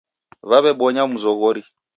Wawebonya mzoghori.